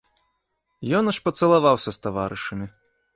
Ён аж пацалаваўся з таварышамі.